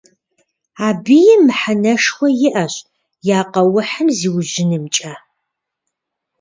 Абыи мыхьэнэшхуэ иӀэщ я къэухьым зиужьынымкӀэ.